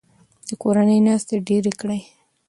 د کورنۍ ناستې ډیرې کړئ.